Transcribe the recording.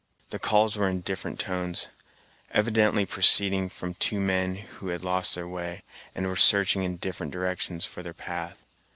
The calls were in different tones, evidently proceeding from two men who had lost their way, and were searching in different directions for their path.